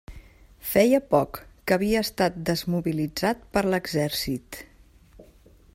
Feia poc que havia estat desmobilitzat per l'exèrcit.